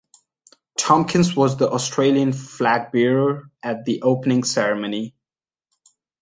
Tomkins was the Australian flag bearer at the Opening Ceremony.